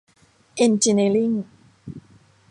เอนจิเนียริ่ง